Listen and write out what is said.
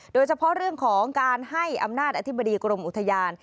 โดยเฉพาะเรื่องของการให้อำนาจอธิบดีกรมอุทยาน